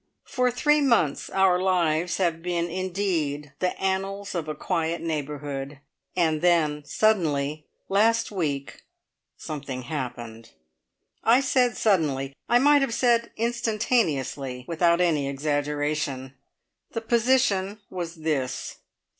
For three months our lives have been indeed the "annals of a quiet neighbourhood," and then suddenly, last week, something happened! I said suddenly I might have said instantaneously, without any exaggeration. The position was this.